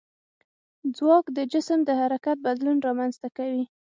ځواک د جسم د حرکت بدلون رامنځته کوي.